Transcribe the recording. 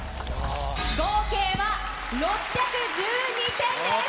合計は６１２点です。